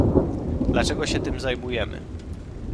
Dlaczego się tym zajmujemy